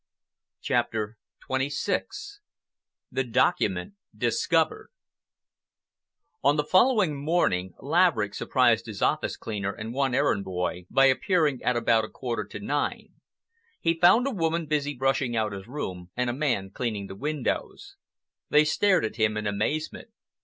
CHAPTER XXVI THE DOCUMENT DISCOVERED On the following morning, Laverick surprised his office cleaner and one errand boy by appearing at about a quarter to nine. He found a woman busy brushing out his room and a man Cleaning the windows. They stared at him in amazement.